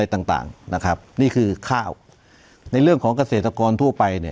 ต่างต่างนะครับนี่คือข้าวในเรื่องของเกษตรกรทั่วไปเนี่ย